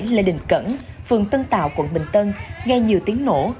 lê đình cẩn phường tân tạo quận bình tân nghe nhiều tiếng nổ